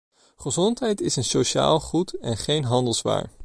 Gezondheid is een sociaal goed en geen handelswaar.